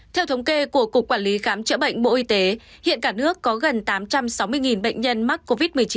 theo thống kê của cục quản lý khám chữa bệnh bộ y tế hiện cả nước có gần tám trăm sáu mươi bệnh nhân mắc covid một mươi chín